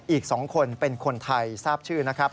อีก๒คนเป็นคนไทยทราบชื่อนะครับ